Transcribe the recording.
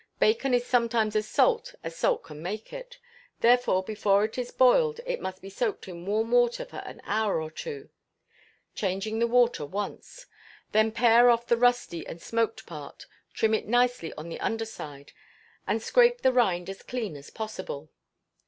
Bacon is sometimes as salt as salt can make it, therefore before it is boiled it must be soaked in warm water for an hour or two, changing the water once; then pare off the rusty and smoked part, trim it nicely on the under side, and scrape the rind as clean as possible."